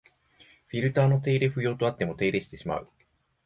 フィルターの手入れ不要とあっても手入れしてしまう